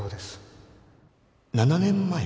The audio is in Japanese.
７年前？